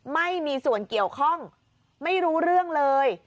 ไม่มีส่วนเกี่ยวข้องไม่รู้เรื่องเลย